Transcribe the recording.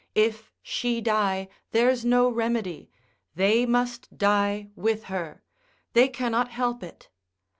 If she die, there's no remedy, they must die with her, they cannot help it.